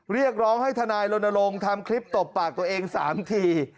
เรียกร้องให้ทนายรณรงค์ทำคลิปตบปากตัวเอง๓ที